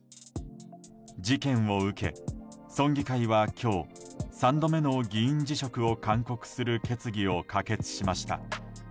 事件を受け、村議会は今日３度目の議員辞職を勧告する決議を可決しました。